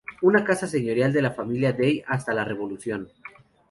Una casa señorial de la familia Day hasta la revolución.